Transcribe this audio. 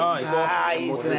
あぁいいですね。